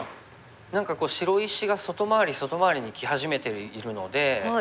何か白石が外回り外回りにき始めているので。